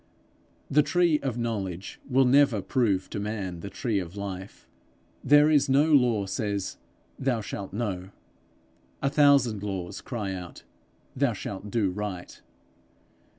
The tree of knowledge will never prove to man the tree of life. There is no law says, Thou shalt know; a thousand laws cry out, Thou shalt do right.